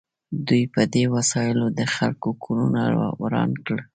دوی په دې وسایلو د خلکو کورونه وران کړل